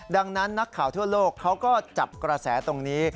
ดังนั้นนักข่าวทั่วโลกเขาก็จับกระแสตรงนี้